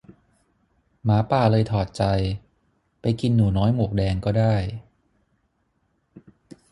หมาป่าเลยถอดใจ ไปกินหนูน้อยหมวกแดงก็ได้